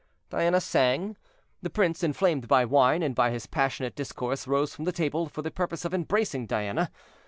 Diana sang. The prince, inflamed by wine, and by his passionate discourse, rose from the table for the purpose of embracing Diana.